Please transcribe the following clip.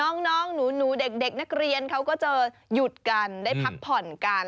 น้องหนูเด็กนักเรียนเขาก็จะหยุดกันได้พักผ่อนกัน